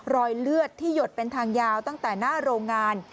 รอยเลือดที่หยดเป็นทางยาวตั้งแต่หน้าโรงงาน